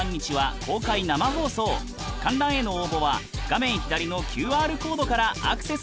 観覧への応募は画面左のＱＲコードからアクセスして下さい！